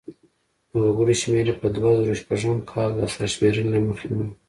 د وګړو شمېر یې په دوه زره شپږم کال د سرشمېرنې له مخې و.